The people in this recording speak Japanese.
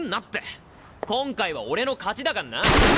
今回は俺の勝ちだかんな。